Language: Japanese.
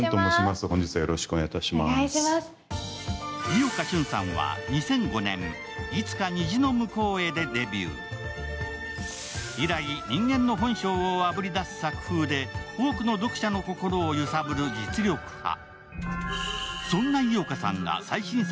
伊岡瞬さんは２００５年、「いつか、虹の向こうへ」でデビュー以来、人間の本性をあぶり出す作風で多くの読者の心を揺さぶる実力派。